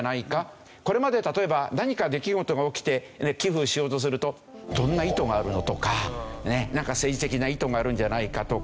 これまで例えば何か出来事が起きて寄付しようとするとどんな意図があるの？とかなんか政治的な意図があるんじゃないかとか。